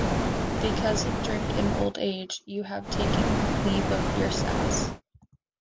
Because of drink and old age you have taken leave of your senses.